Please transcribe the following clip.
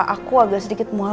aku agak sedikit muar